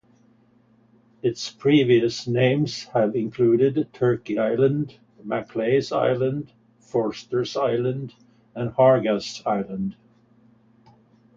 Its previous names have included Turkey Island, Maclay's Island, Forster's Island and Hargast Island.